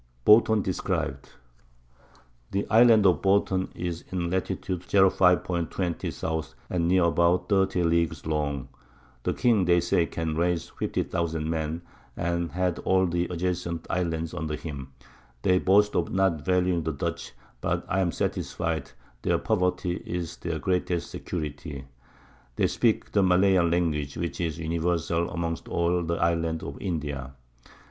Bouton Describ'd. [Sidenote: Sailing from Bouton to Batavia.] The Island of Bouton is in Lat. 05. 20. S. and near about 30 Leagues long; the King, they say, can raise fifty Thousand Men, and has all the adjacent Islands under him; they boast of not valuing the Dutch, but I am satisfied, their Poverty is their greatest Security; they speak the Malayan Language, which is universal amongst all the Islands of India.